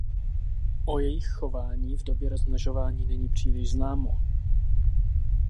O jejich chování v době rozmnožování není příliš známo.